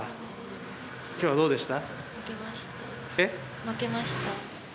今日はどうでした？